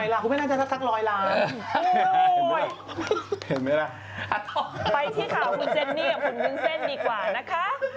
ไปข้าวของคุณเจนนี่กับคุณกุ้นเส้นนี่กว่านะคะ